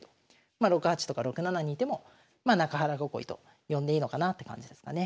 まあ６八とか６七にいても中原囲いと呼んでいいのかなって感じですかね。